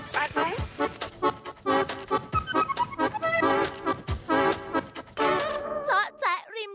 ค่ะไปไหน